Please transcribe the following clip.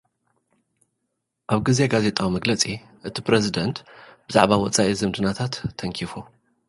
ኣብ ግዜ ጋዜጣዊ መግለጺ፡ እቲ ፕረሲደንት ብዛዕባ ወጻኢ ዝምድናታት ተንኪፉ።